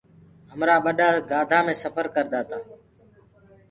همرآ ٻڏآ گاڌآ مي سڦر ڪردآ تا۔